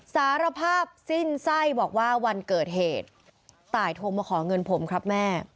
สารภาพสิ้นไส้บอกว่าวันเกิดเหตุตายโทรมาขอเงินผมครับแม่